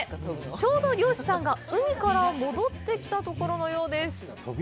ちょうど漁師さんが海から戻ってきたところのようです。